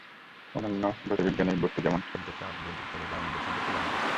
অন্যান্য জ্যোতির্বৈজ্ঞানিক বস্তু যেমন সূর্য, চাঁদ, বুধ ইত্যাদির বায়ুমণ্ডল সম্পর্কে জানা গেছে।